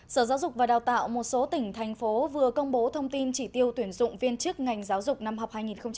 sở giáo dục và đào tạo một số tỉnh thành phố vừa công bố thông tin chỉ tiêu tuyển dụng viên chức ngành giáo dục năm học hai nghìn một mươi sáu hai nghìn một mươi bảy